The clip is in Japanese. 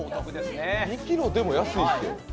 ２ｋｇでも安いって。